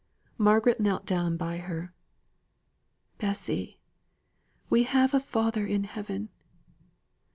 Margaret knelt down by her. "Bessy we have a Father in Heaven."